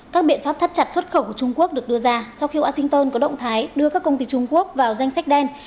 các biện pháp thắt chặt xuất khẩu của trung quốc được đưa ra sau khi washington có động thái đưa các công ty trung quốc vào danh sách đen